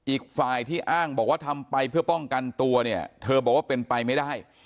อีกฝ่ายที่อ้างบอกว่าทำไปเพื่อป้องกันตัวเนี่ยเธอบอกว่าเป็นไปไม่ได้